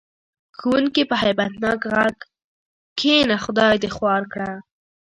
ښوونکي په هیبت ناک غږ: کېنه خدای دې خوار کړه.